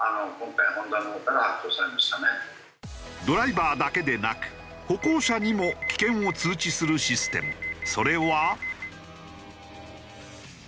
ドライバーだけでなく歩行者にも危険を通知するシステム。